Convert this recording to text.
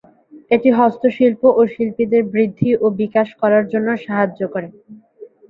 এটি হস্তশিল্প ও শিল্পীদের বৃদ্ধি ও বিকাশ করার জন্য সাহায্য করে।